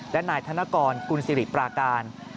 และนายธนกรกุลศิริปราการ